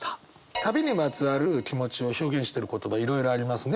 旅にまつわる気持ちを表現してる言葉いろいろありますね。